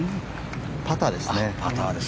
パターですね。